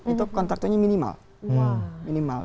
itu kontraktornya minimal